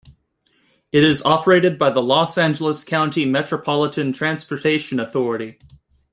It is operated by the Los Angeles County Metropolitan Transportation Authority.